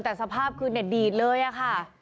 แต่สภาพคือนี่ดีเลยค่ะ